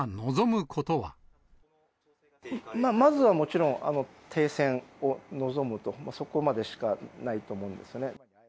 まずはもちろん、停戦を望むと、そこまでしかないと思うんですね。